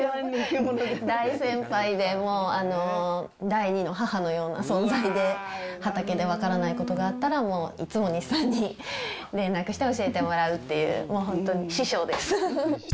大先輩で、もう、第二の母のような存在で、畑で分からないことがあったら、もういつも西さんに連絡して教えてもらうっていう、もう本当に師匠です。